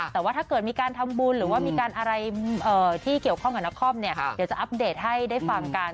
แต่ว่าถ้าเกิดมีการทำบุญหรือว่ามีการอะไรที่เกี่ยวข้องกับนครเนี่ยเดี๋ยวจะอัปเดตให้ได้ฟังกัน